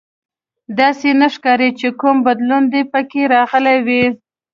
داسې نه ښکاري چې کوم بدلون دې پکې راغلی وي